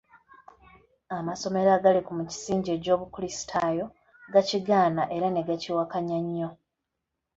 Amasomero agali ku musingi gw'obukulisitaayo gakigaana era ne gakiwakanya nnyo.